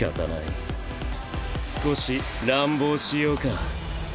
少し乱暴しようか。